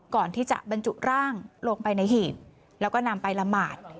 ก่อนที่จะบรรจุร่างลงไปในหีบแล้วก็นำไปละหมาด